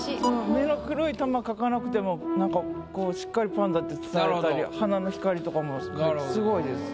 目の黒い玉描かなくてもしっかりパンダって伝えたり鼻の光とかもすごいです。